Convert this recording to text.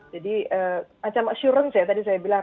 jadi macam assurance ya tadi saya bilang